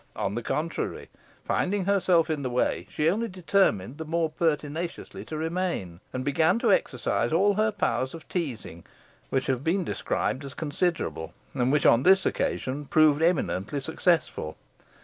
On the contrary, finding herself in the way, she only determined the more pertinaciously to remain, and began to exercise all her powers of teasing, which have been described as considerable, and which on this occasion proved eminently successful.